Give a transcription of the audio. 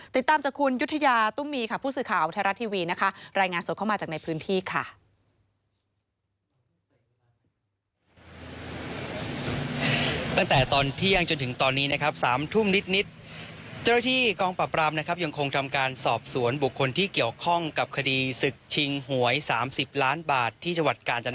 ติดตามจากคุณยุธยาตุ้มมีค่ะผู้สื่อข่าวแทรรัสทีวีนะคะ